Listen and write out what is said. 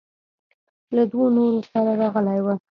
له دوو نورو سره راغلى و.